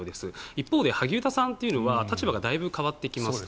一方で萩生田さんというのは立場がだいぶ変わってきます。